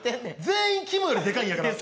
全員きむよりでかいんやから。